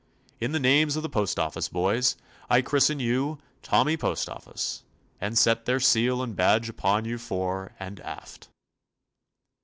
In the names of the postoffice boys, I christen you Tommy Postoffice, and set their seal and badge upon you fore and aft."